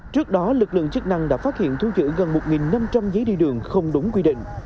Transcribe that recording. trước đó lực lượng chức năng đã phát hiện thu giữ gần một năm trăm linh giấy đi đường không đúng quy định